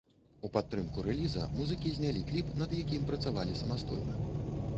У падтрымку рэліза музыкі знялі кліп, над якім працавалі самастойна.